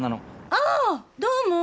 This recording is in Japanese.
ああどうも。